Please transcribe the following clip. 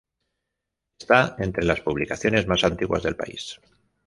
Está entre las publicaciones más antiguas del país.